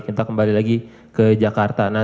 kita kembali lagi ke jakarta